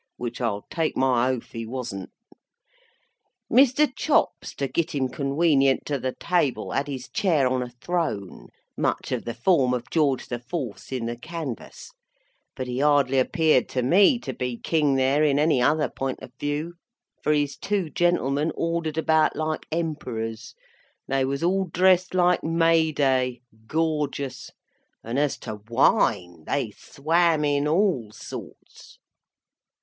—which I'll take my oath he wasn't. Mr. Chops, to git him convenient to the table, had his chair on a throne (much of the form of George the Fourth's in the canvass), but he hardly appeared to me to be King there in any other pint of view, for his two gentlemen ordered about like Emperors. They was all dressed like May Day—gorgeous!—And as to Wine, they swam in all sorts.